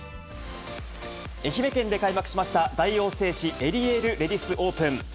愛媛県で開幕しました、大王製紙エリエールレディスオープン。